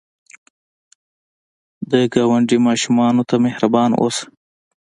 د ګاونډي ماشومانو ته مهربان اوسه